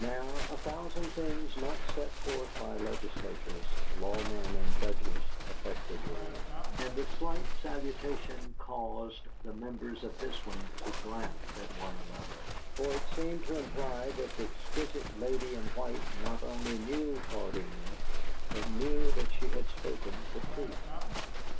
Now, a thousand things not set forth by legislatures, law men and judges affect a jury, and the slight salutation caused the members of this one to glance at one another; for it seemed to imply that the exquisite lady in white not only knew Claudine, but knew that she had spoken the truth.